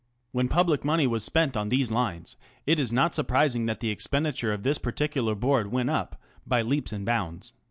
When public money was spent on these lines, it is not surprising that the expenditure of this particular Board went up by leaps and bounds.